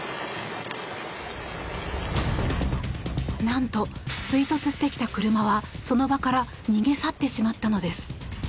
何と追突してきた車はその場から逃げ去ってしまったのです。